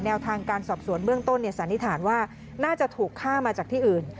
ทางการสอบสวนเบื้องต้นสันนิษฐานว่าน่าจะถูกฆ่ามาจากที่อื่น